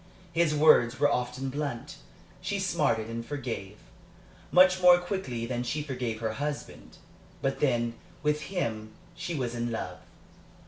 His words were often blunt. She smarted and forgave much more quickly than she forgave her husband. But then, with him, she was in love.